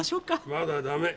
まだダメ。